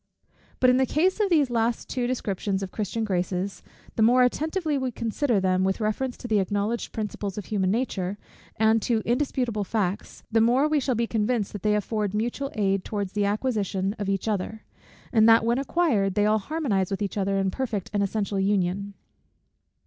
But in the case of these two last descriptions of Christian graces; the more attentively we consider them with reference to the acknowledged principles of human nature, and to indisputable facts, the more we shall be convinced that they afford mutual aid towards the acquisition of each other; and that when acquired, they all harmonize with each other in perfect and essential union.